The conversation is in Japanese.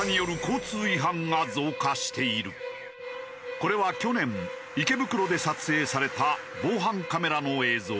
これは去年池袋で撮影された防犯カメラの映像。